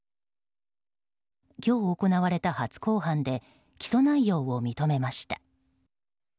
今日、行われた初公判で起訴内容を認めました。